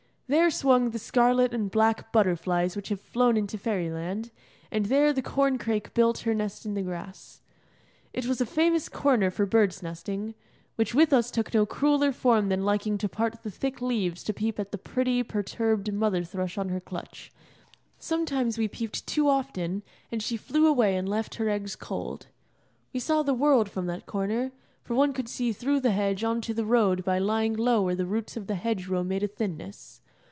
There swung the scarlet and black butterflies which have flown into Fairyland, and there the corn crake built her nest in the grass. It was a famous corner for bird's nesting, which with us took no crueller form than liking to part the thick leaves to peep at the pretty, perturbed mother thrush on her clutch. Sometimes we peeped too often, and she flew away and left the eggs cold. We saw the world from that corner, for one could see through the hedge on to the road by lying low where the roots of the hedge row made a thinness.